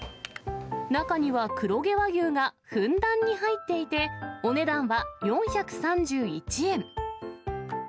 中には黒毛和牛がふんだんに入っていて、お値段は４３１円。